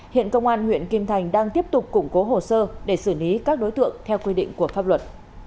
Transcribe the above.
hiện công an huyện kim thành đang tiếp tục củng cố hồ sơ để xử lý các đối tượng theo quy định của pháp luật